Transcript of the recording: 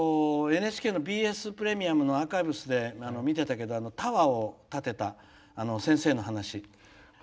ＮＨＫのＢＳプレミアムのアーカイブスで見てたけどタワーを建てた先生の話。